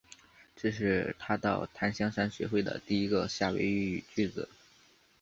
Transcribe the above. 这是他到檀香山学会的第一个夏威夷语句子。